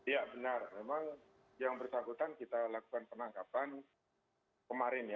ya benar memang yang bersangkutan kita lakukan penangkapan kemarin ya